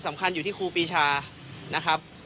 สำคัญอยู่ที่ครูปีชานะครับ